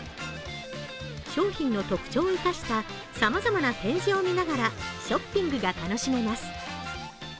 商品の特長を生かしたさまざまな展示を見ながらショッピングが楽しめます。